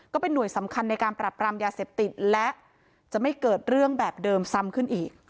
ก็เป็นห่วยสำคัญในการปรับปรามยาเสพติดและจะไม่เกิดเรื่องแบบเดิมซ้ำขึ้นอีก